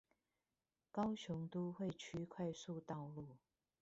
高雄都會區快速道路